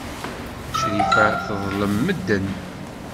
Crifa teḍlem medden.